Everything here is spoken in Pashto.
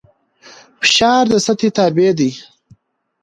فشار د سطحې تابع دی.